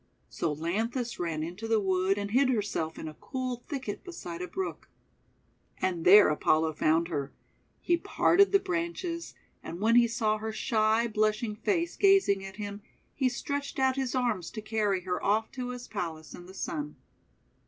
So lanthis ran into the wood, and hid herself in a cool thicket beside a brook. And there Apollo found her. He parted the branches, and when he saw her shy, blushing face gazing at him, he stretched out his arms to carry her off to his Palace in the Sun.